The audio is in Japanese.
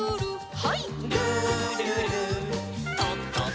はい。